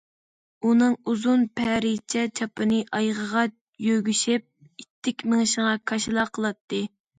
ئۇنىڭ ئۇزۇن پەرىجە چاپىنى ئايىغىغا يۆگىشىپ، ئىتتىك مېڭىشىغا كاشىلا قىلاتتى.